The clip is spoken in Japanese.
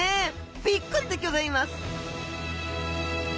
びっくりでギョざいます！